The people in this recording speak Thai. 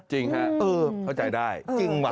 จริงค่ะอืมเข้าใจได้จริงเหว้ะ